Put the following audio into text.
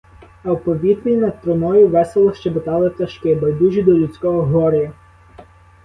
А в повітрі над труною весело щебетали пташки, байдужі до людського горя.